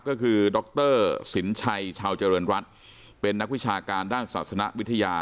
ก็คือดรสินชัยชาวเจริญรัฐเป็นนักวิชาการด้านศาสนวิทยา